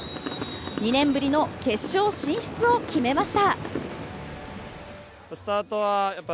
２年ぶりの決勝進出を決めました。